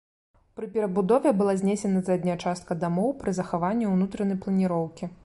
Пры перабудове была знесена задняя частка дамоў пры захаванні ўнутранай планіроўкі.